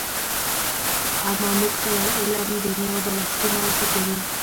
اما موږ ته يو علم دیني او بل عصري معرفي کوي.